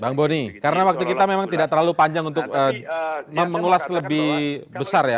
bang boni karena waktu kita memang tidak terlalu panjang untuk mengulas lebih besar ya